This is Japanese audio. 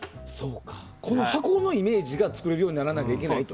箱のイメージが作れるようにならないといけないと。